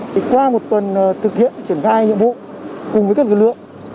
thì qua một tuần thực hiện triển khai nhiệm vụ cùng với các lực lượng